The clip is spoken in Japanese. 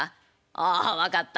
「ああ分かった。